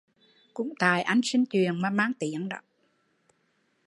Cũng tại anh sinh chuyện mà mang tiếng